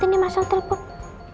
tunggu sampai saat aku minta